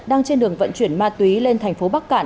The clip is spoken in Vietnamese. đang trên đường vận chuyển ma túy lên thành phố bắc cạn